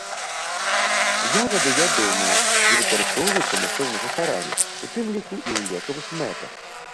Ягады ядомыя і выкарыстоўваюцца мясцовымі жыхарамі, у тым ліку і ў лекавых мэтах.